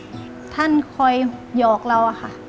ก็คือพ่อท่านคอยหยอกเราค่ะ